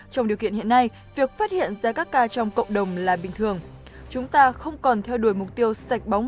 trong điều kiện hiện nay việc phát hiện ra các ca trong cộng đồng là bình thường